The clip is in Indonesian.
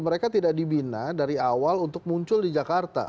mereka tidak dibina dari awal untuk muncul di jakarta